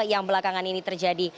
yang belakangan ini terjadi